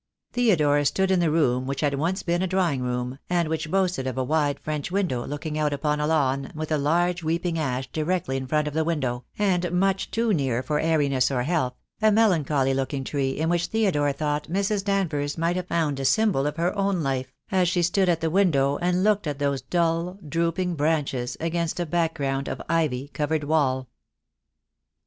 Theodore stood in the room which had once been a drawing room, and which boasted of a wide French window looking out upon a lawn, with a large weeping ash directly in front of the window, and much too near for airiness or health, a melancholy looking tree in which Theodore thought Mrs. Danvers might have found a symbol of her own life, as she stood at the window and looked at those dull drooping branches against a background of ivy covered wall.